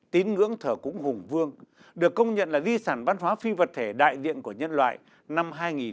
tín ngưỡng thở cũng hùng vương được công nhận là di sản văn hóa phi vật thể đại diện của nhân loại năm hai nghìn một mươi hai